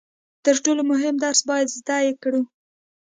تر ټولو مهم درس باید زده یې کړو.